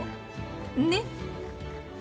ねっ。